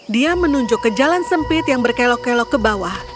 dia menunjuk ke jalan sempit yang berkelok kelok ke bawah